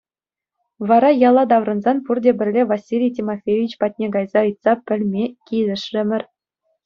Вара яла таврӑнсан пурте пӗрле Василий Тимофеевич патне кайса ыйтса пӗлме килӗшрӗмӗр.